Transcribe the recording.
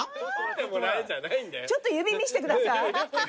ちょっと指見してください。